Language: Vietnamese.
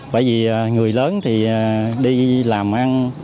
bởi vì người lớn thì đi làm ăn